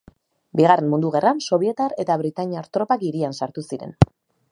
Bigarren Mundu Gerran, sobietar eta britainiar tropak hirian sartu ziren.